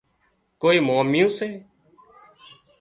ڪوئي ماميون سي